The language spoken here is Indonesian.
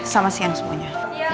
sama sama yang semuanya